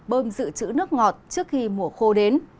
bơm giữ chữ nước ngọt trước khi mùa khô đến